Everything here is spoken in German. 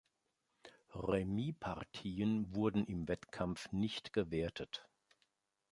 Remis-Partien wurden im Wettkampf nicht gewertet.